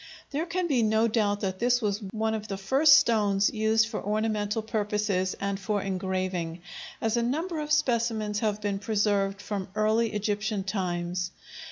There can be no doubt that this was one of the first stones used for ornamental purposes and for engraving, as a number of specimens have been preserved from early Egyptian times.